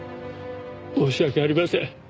申し訳ありません。